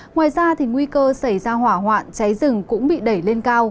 ngoài ra nguy cơ xảy ra hỏa hoạn cháy rừng cũng bị đẩy lên cao